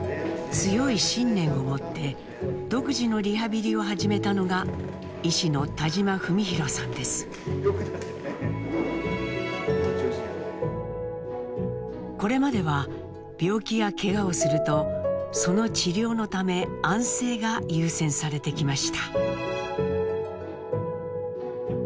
強い信念をもって独自のリハビリを始めたのがこれまでは病気やケガをするとその治療のため安静が優先されてきました。